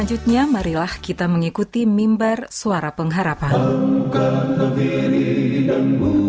nyanyimu sakri dan pujikanlah